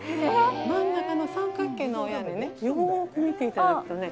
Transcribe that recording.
真ん中の三角形のお屋根ね、よく見ていただくとね。